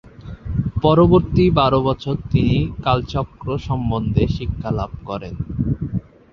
পরবর্তী বারো বছর তিনি কালচক্র সম্বন্ধে শিক্ষালাভ করেন।